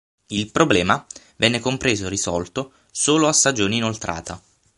Il problema venne compreso e risolto solo a stagione inoltrata.